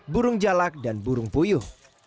burung jalak dan burung puyuh